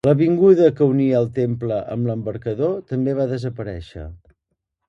L'avinguda que unia el temple amb l'embarcador també va desaparèixer.